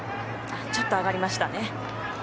ちょっと上がりましたね。